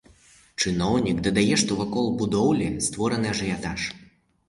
Чыноўнік дадае, што вакол будоўлі створаны ажыятаж.